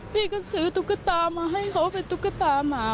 พี่ก็ซื้อตุ๊กตามาให้เขาเป็นตุ๊กตาหมา